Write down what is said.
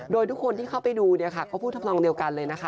โดยทุกคนที่เข้าไปดูเนี่ยค่ะก็พูดทำนองเดียวกันเลยนะคะ